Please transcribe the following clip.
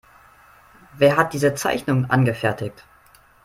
Wer hat diese Zeichnung angefertigt?